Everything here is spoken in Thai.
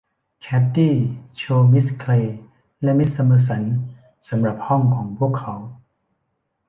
แคดดี้ โชว์มิสแคลร์และมิสซัมเมอสันสำหรับห้องของพวกเขา